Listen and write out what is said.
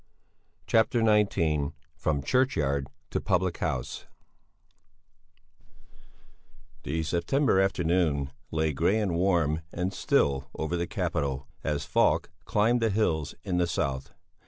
CHAPTER XIX FROM CHURCHYARD TO PUBLIC HOUSE The September afternoon lay grey and warm and still over the capital as Falk climbed the hills in the south.